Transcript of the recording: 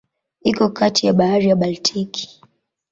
Iko kati ya Bahari ya Baltiki.